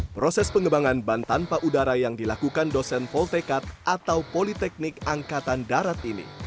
proses pengembangan ban tanpa udara yang dilakukan dosen voltekat atau politeknik angkatan darat ini